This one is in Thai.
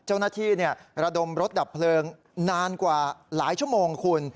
เจ้าหน้าที่ระดมรถดับเพลิงนานกว่าหลายชั่วโมงคุณ